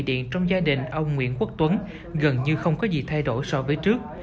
điện trong gia đình ông nguyễn quốc tuấn gần như không có gì thay đổi so với trước